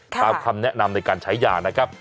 คำแนะนำในการใช้ยานะครับ